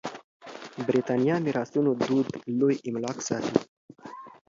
برېتانيه میراثونو دود لوی املاک ساتي.